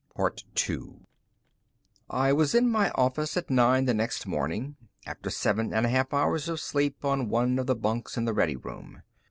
I was in my office at nine the next morning, after seven and a half hours of sleep on one of the bunks in the ready room.